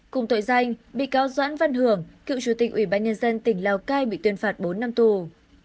cùng tội danh bị cáo doãn văn hưởng cựu chủ tịch ủy ban nhân dân tỉnh lào cai bị tuyên phạt bốn năm tù